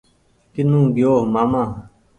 ڪينو گيو ماما